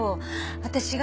私が。